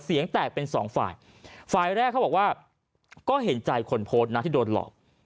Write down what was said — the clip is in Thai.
อีไฟล์แรกเขาบอกว่าก็เห็นใจคนโพสนะที่โดนหลอก